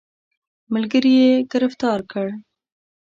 ملګري یې ګرفتار کړ.